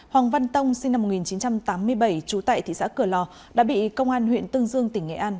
hoàng văn tông sinh năm một nghìn chín trăm tám mươi bảy trú tại thị xã cửa lò đã bị công an huyện tương dương tỉnh nghệ an